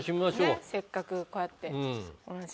せっかくこうやって。